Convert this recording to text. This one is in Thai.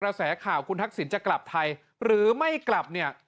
แสข่าวคุณทักษิณจะกลับไทยหรือไม่กลับเนี่ย